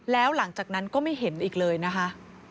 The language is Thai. แล้วหลังจากนั้นก็ไม่เห็นอีกเลยนะคะ